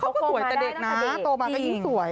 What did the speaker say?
สวยแต่เด็กนะโตมาก็ยิ่งสวย